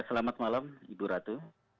selamat malam ibu ratu